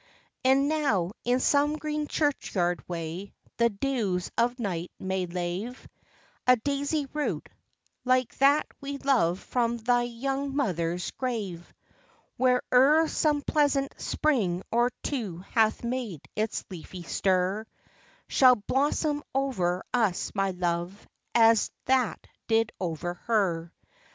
E'en now, in some green churchyard way, the dews of night may lave A daisy root, like that we love from thy young mother's grave, Which ere some pleasant spring or two hath made its leafy stir, Shall blossom over us my love, as that did over her.